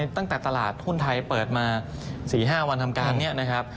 ตั้งแต่ตลาดหุ้นไทยเปิดมา๔๕วันทำการนี้นะครับ